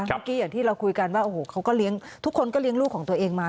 เมื่อกี้ที่เราคุยกันว่าทุกคนก็เลี้ยงลูกของตัวเองมา